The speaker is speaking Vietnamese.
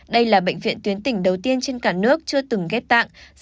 đây là bệnh viện tuyến tỉnh đầu tiên trên cả nước chưa từng ghép tạng